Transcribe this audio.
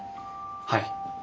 はい。